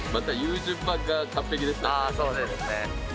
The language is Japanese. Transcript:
そうですね。